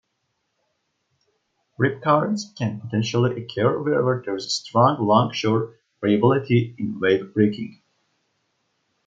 Rip currents can potentially occur wherever there is strong longshore variability in wave breaking.